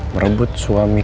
merebut suami kakaknya sendiri